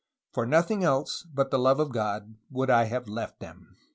For nothing else but the love of God would I have left them."